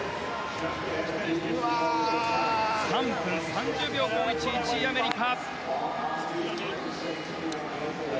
３分３０秒５１、アメリカ。